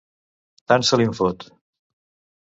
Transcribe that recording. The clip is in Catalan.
Tant se li'n fot.